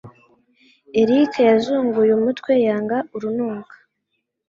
Eric yazunguye umutwe yanga urunuka.